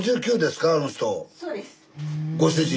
ご主人。